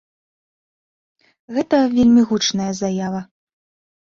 Гэта вельмі гучная заява.